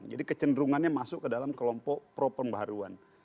jadi kecenderungannya masuk ke dalam kelompok pro pembaruan